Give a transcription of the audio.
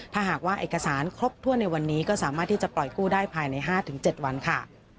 ถ้าหากว่าเอกสารครบถ้วนในวันนี้ก็สามารถที่จะปล่อยกู้ได้ภายใน๕๗วันค่ะ